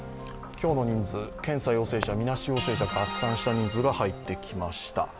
今日の人数、検査陽性者、みなし陽性者合算した人数が入ってきました。